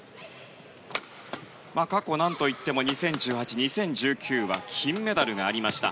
過去、何といっても２０１８、２０１９は金メダルがありました。